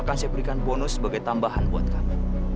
dan saya berikan bonus sebagai tambahan buat kamu